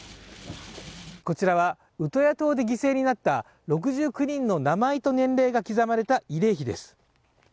こちらはウトヤ島で犠牲になった６４人の名前と年齢が刻まれた慰霊碑です。